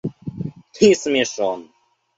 – Ты смешон.